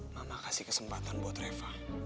mama kasih kesempatan buat reva